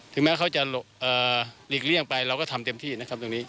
ถึงแม้เขาจะหลีกเลี่ยงไปเราก็ทำเต็มที่นะครับ